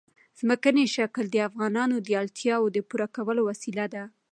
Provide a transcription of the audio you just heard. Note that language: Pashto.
ځمکنی شکل د افغانانو د اړتیاوو د پوره کولو وسیله ده.